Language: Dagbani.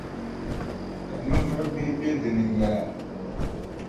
Ka ninvuɣʼ bihi be di ni yɛla.